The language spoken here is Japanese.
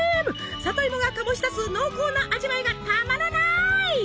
里芋が醸し出す濃厚な味わいがたまらない！